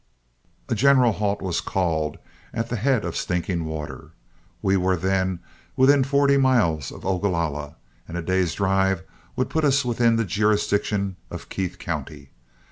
A general halt was called at the head of Stinking Water. We were then within forty miles of Ogalalla, and a day's drive would put us within the jurisdiction of Keith County.